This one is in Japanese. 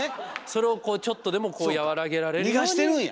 それをこうちょっとでもこう和らげられるように。